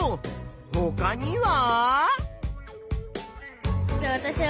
ほかには？